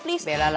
bela lah bela